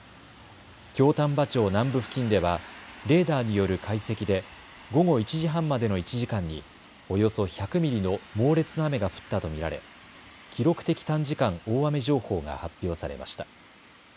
京丹波町南部付近ではレーダーによる解析で午後１時半までの１時間におよそ１００ミリの猛烈な雨が降ったと見られ記録的短時間大雨情報が発表されました。